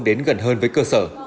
đến gần hơn với cơ sở